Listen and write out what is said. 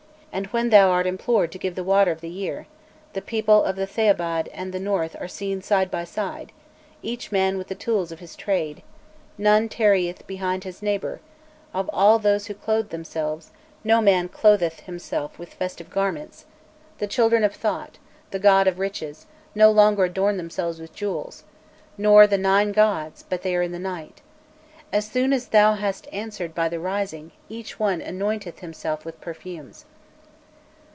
And when thou art implored to give the water of the year, the people of the Thebai'd and of the North are seen side by side, each man with the tools of his trade, none tarrieth behind his neighbour; of all those who clothed themselves, no man clotheth himself (with festive garments) the children of Thot, the god of riches, no longer adorn themselves with jewels, nor the Nine gods, but they are in the night! As soon as thou hast answered by the rising, each one anointeth himself with perfumes.